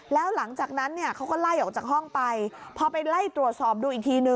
แล้วหลังจากนั้นเนี่ยเขาก็ไล่ออกจากห้องไปพอไปไล่ตรวจสอบดูอีกทีนึง